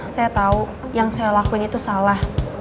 saya tahu yang saya lakuin itu salah